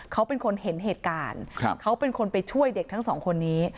เขาเป็นคนเห็นเหตุการณ์เขาเป็นคนไปช่วยเด็กทั้งสองคนนี้